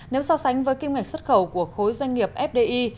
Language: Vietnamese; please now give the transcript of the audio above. nếu so sánh với kim ngạch xuất khẩu của khối doanh nghiệp fdi